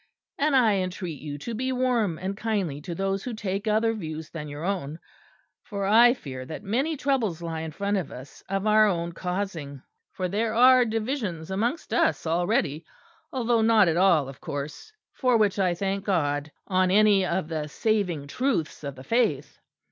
And I entreat you to be warm and kindly to those who take other views than your own; for I fear that many troubles lie in front of us of our own causing: for there are divisions amongst us already: although not at all of course (for which I thank God) on any of the saving truths of the Faith."